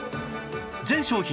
全商品